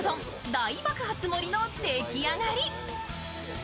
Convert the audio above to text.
大爆発盛りの出来上がり！